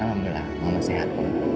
alhamdulillah mama sehat